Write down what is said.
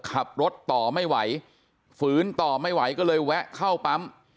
ขับรถต่อไม่ไหวฝืนต่อไม่ไหวก็เลยแวะเข้าปั๊ม